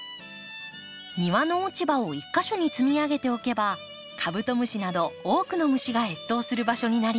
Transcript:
庭の落ち葉を１か所に積み上げておけばカブトムシなど多くの虫が越冬する場所になります。